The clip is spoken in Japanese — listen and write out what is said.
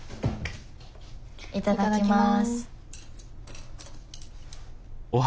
いただきます。